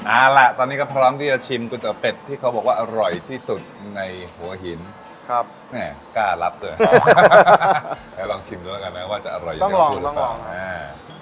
อ่าล่ะตอนนี้ก็พร้อมที่จะชิมกุฏเตอร์เป็ดที่เขาบอกว่าอร่อยที่สุดในหัวหินครับเนี่ยกล้าลับด้วยแล้วลองชิมดูแล้วกันนะว่าจะอร่อยอย่างนี้หรือเปล่าต้องลองต้องลองฮ่า